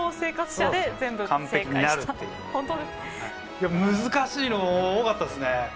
いや難しいの多かったですね。